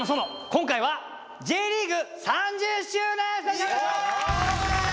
今回はＪリーグ３０周年スペシャル！